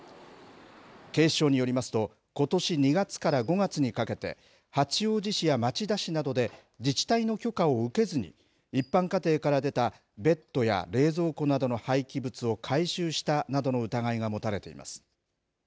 警視庁によりますとことし２月から５月にかけて八王子市や町田市などで自治体の許可を受けずに一般家庭から出たベッドや冷蔵庫などの廃棄物を回収したなどの疑いが持たれています。